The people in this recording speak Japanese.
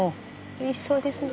おいしそうですね。